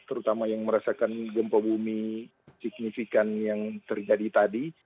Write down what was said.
terutama yang merasakan gempa bumi signifikan yang terjadi tadi